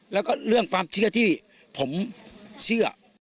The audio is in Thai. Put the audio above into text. แล้วก็เรื่องความเชื่อที่ผมเชื่อ